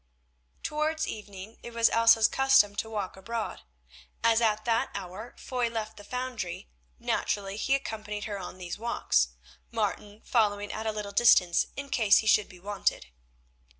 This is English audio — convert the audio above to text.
Towards evening it was Elsa's custom to walk abroad. As at that hour Foy left the foundry, naturally he accompanied her in these walks, Martin following at a little distance in case he should be wanted.